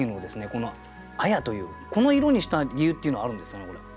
この「彩」というこの「彩」にした理由っていうのはあるんですかねこれ。